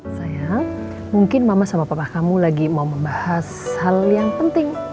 sayang mungkin mama sama papa kamu lagi mau membahas hal yang penting